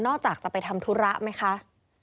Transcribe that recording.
จากจะไปทำธุระไหมคะ